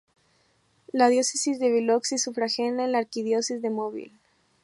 La Diócesis de Biloxi es sufragánea de la Arquidiócesis de Mobile.